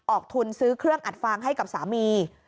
ออกทุนซื้อเครื่องอัดฟางให้กับสามี